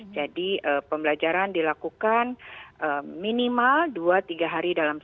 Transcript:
jadi pembelajaran dilakukan minimal dua tiga hari dalam satu minggu kemudian pembelajaran satu hari durasinya disesuaikan kepada anak nya